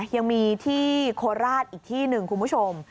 ยังมีที่โคราชอีกที่หนึ่งคุณผู้ชม